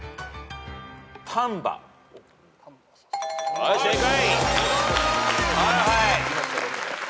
はい正解。